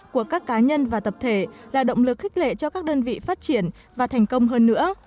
của các cá nhân và tập thể là động lực khích lệ cho các đơn vị phát triển và thành công hơn nữa